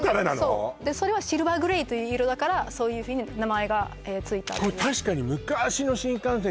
そうでそれはシルバーグレーという色だからそういうふうに名前が確かにだったのよ